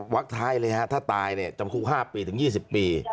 วักท้ายเลยถ้าตายจำคุก๕ปีถึง๒๐ปี